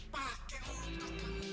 pakai urut kau